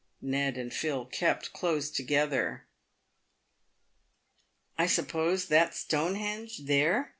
Ned and Phil kept close together. " I suppose that's Stonehenge, there